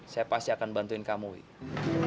saya pasti akan bantuin kamu gitu